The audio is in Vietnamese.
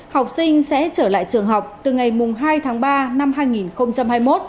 học sinh sẽ trở lại trường học từ ngày hai tháng ba năm hai nghìn hai mươi một